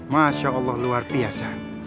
masya allah luar biasa